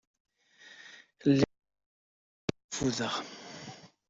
Lliɣ lluẓeɣ yerna ffudeɣ.